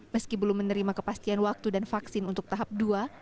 meski belum menerima kepastian waktu dan vaksin untuk tahap dua